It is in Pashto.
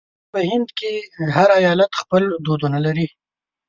په هند کې هر ایالت خپل دودونه لري.